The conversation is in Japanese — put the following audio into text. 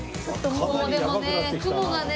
もうでもね雲がね。